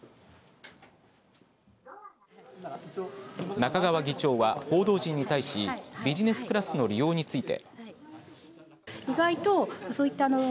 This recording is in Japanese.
中川議長は報道陣に対しビジネスクラスの利用について。